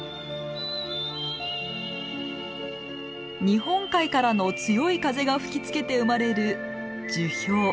日本海からの強い風が吹きつけて生まれる樹氷。